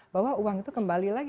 bahwa uang itu kembali lagi